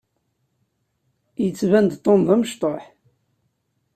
Yettban-d Tom d amecṭuḥ.